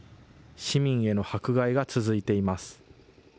市民への迫害が続いています。